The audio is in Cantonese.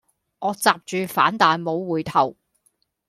我閘住反彈無回頭